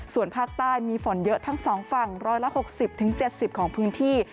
ส่วนภาคใต้มีฝนเยอะทั้ง๒ฝั่ง๑๖๐๗๐ของพื้นที่